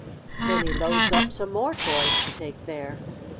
Then he loads up some more toys to take there."